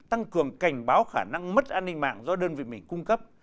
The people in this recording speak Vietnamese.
tăng cường cảnh báo khả năng mất an ninh mạng do đơn vị mình cung cấp